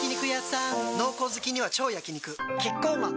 濃厚好きには超焼肉キッコーマン